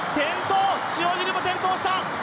塩尻も転倒した！